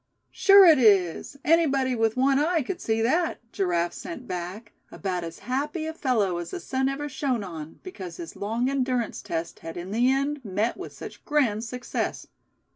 "Sure it is; anybody with one eye could see that!" Giraffe sent back, about as happy a fellow as the sun ever shone on, because his long endurance test had in the end met with such grand success.